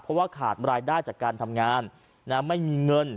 เพราะว่าขาดรายได้จากการทำงานไม่มีเงิน